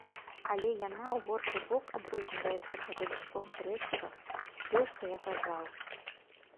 Але яна ў горшы бок адрозніваецца па дадатковых рэчывах, тое, што я казаў.